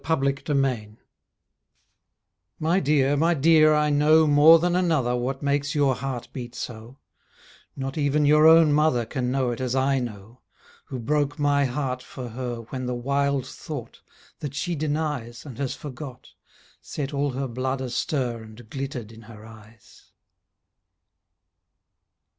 TO A YOUNG GIRL My dear, my dear, I know More than another What makes your heart beat so; Not even your own mother Can know it as I know, Who broke my heart for her When the wild thought, That she denies And has forgot, Set all her blood astir And glittered in her eyes.